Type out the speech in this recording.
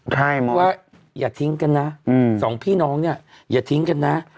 เพราะว่าอย่าทิ้งกันนะสองพี่น้องเนี่ยอย่าทิ้งกันนะ